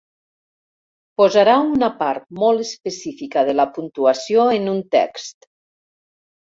Posarà una part molt específica de la puntuació en un text.